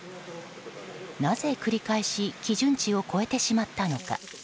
なぜ繰り返し基準値を超えてしまったのか。